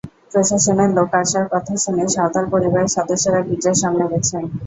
প্রশাসনের লোক আসার কথা শুনে সাঁওতাল পরিবারের সদস্যরা গির্জার সামনে গেছেন।